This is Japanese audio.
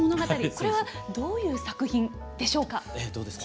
これはどういう作品でしょうか？